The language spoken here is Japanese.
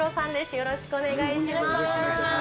よろしくお願いします。